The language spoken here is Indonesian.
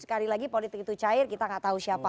sekali lagi politik itu cair kita nggak tahu siapa